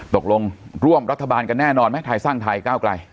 ตกลงร่วมรัฐบาลกันแน่นอนไหมไทยสร้างไทยก้าวไกล